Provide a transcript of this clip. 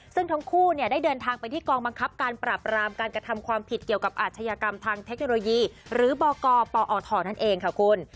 ซึ่งทั้งคู่เนี่ยได้เดินทางไปที่กองบังคับการปราบรามการกระทำความผิดเกี่ยวกับอาชญากรรมทางเทคโนโลยีหรือบกปอทนั่นเองค่ะคุณ